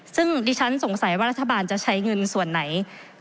ซึ่งดิฉันสงสัยว่ารัฐบาลจะใช้เงินส่วนไหน